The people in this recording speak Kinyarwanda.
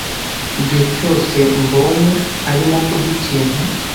Igihe cyose mbonye , arimo kurya ikintu.